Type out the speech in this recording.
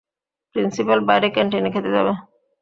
Principal বাইরে ক্যান্টিনে খেতে যাবে।